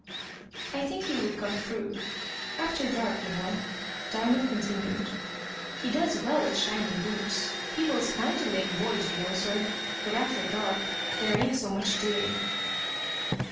"I think he would come though after dark, you know," Diamond continued. "He does well at shining boots. People's kind to lame boys, you know, sir. But after dark, there ain't so much doing."